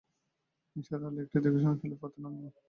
নিসার আলি একটি দীর্ঘনিঃশ্বাস ফেলে পথে নামলেন।